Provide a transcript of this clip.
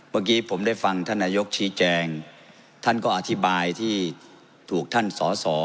เมื่อกี้ผมได้ฟังท่านนายกชี้แจงท่านก็อธิบายที่ถูกท่านสอสอ